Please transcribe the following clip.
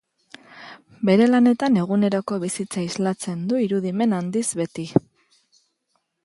Bere lanetan eguneroko bizitza islatzen du irudimen handiz beti.